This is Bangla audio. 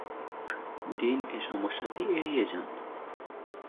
ডিন এ সমস্যাটি এড়িয়ে যান।